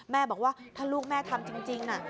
แม่บอกว่าถ้าลูกแม่ทำจริงน่ะ